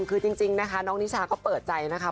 คือจริงนะคะน้องนิชาก็เปิดใจนะคะ